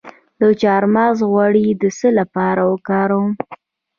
د چارمغز غوړي د څه لپاره وکاروم؟